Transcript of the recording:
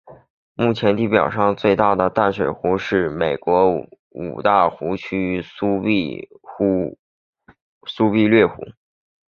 目前地表上最大的淡水湖则是北美洲五大湖区的苏必略湖。